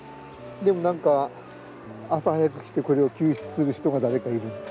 でもなんか朝早く来てこれを救出する人が誰かいるんです。